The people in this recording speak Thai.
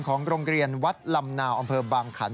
ของคลิปกลรมเกรียณวัดลำนาวอำเภอบางขันต์